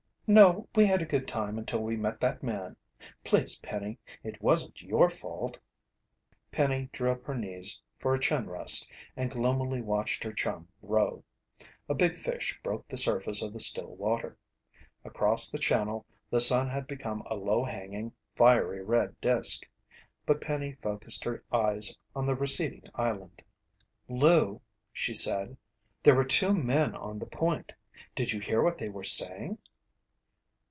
"No, we had a good time until we met that man. Please, Penny, it wasn't your fault." Penny drew up her knees for a chin rest and gloomily watched her chum row. A big fish broke the surface of the still water. Across the channel, the sun had become a low hanging, fiery red disc. But Penny focused her eyes on the receding island. "Lou," she said, "there were two men on the point. Did you hear what they were saying?"